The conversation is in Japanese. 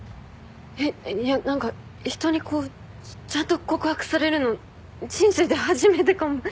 えっいや何か人にこうちゃんと告白されるの人生で初めてかも。